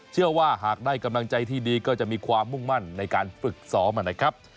เชื่อว่าหากได้กำลังใจที่ดีก็จะมีความมุ่งมั่นในการฝึกซ้อมนะครับ